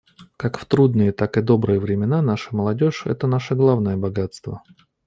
Как в трудные, так и добрые времена наша молодежь — это наше главное богатство.